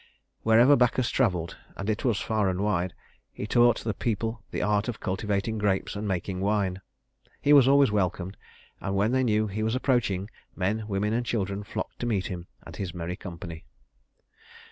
Wherever Bacchus traveled and it was far and wide he taught the people the art of cultivating grapes and making wine. He was always welcomed, and when they knew he was approaching, men, women, and children flocked to meet him and his merry company.